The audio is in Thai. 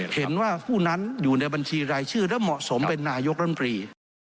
เห็นว่าผู้นั้นอยู่ในบัญชีรายชื่อและเหมาะสมเป็นนายกรัมปรี